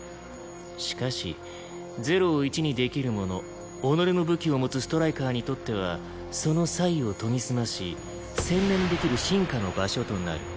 しかし０を１にできる者己の武器を持つストライカーにとってはその才を研ぎ澄まし洗練できる進化の場所となる。